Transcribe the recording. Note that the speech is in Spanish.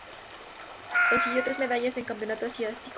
Consiguió tres medallas en campeonato asiático.